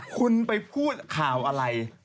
คุณไปพูดข่าวอะไร